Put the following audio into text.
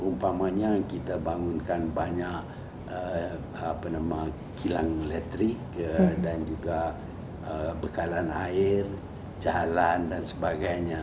misalnya kita membangun banyak jalan elektrik bekalan air jalan dan sebagainya